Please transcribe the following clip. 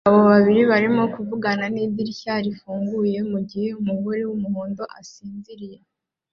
Abagabo babiri barimo kuvugana nidirishya rifunguye mugihe umugore wumuhondo asinziriye